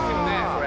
⁉これ」